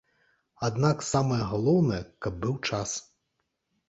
Аднак самае галоўнае, каб быў час.